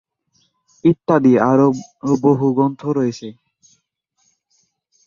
ইত্যাদি আরো বহু গ্রন্থ রয়েছে।